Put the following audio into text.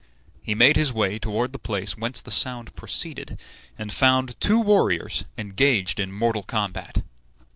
He made his way toward the place whence the sound proceeded, and found two warriors engaged in mortal combat.